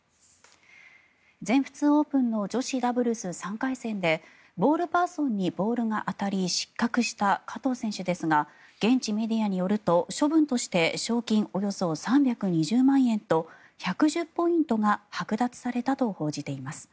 全仏オープンの女子ダブルス３回戦でボールパーソンにボールが当たり失格した加藤選手ですが現地メディアによると処分として賞金およそ３２０万円と１１０ポイントがはく奪されたと報じています。